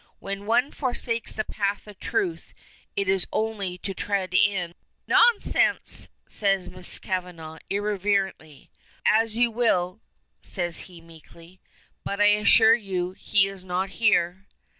"When one forsakes the path of truth it is only to tread in " "Nonsense!" says Miss Kavanagh, irreverently. "As you will!" says he, meekly. "But I assure you he is not here."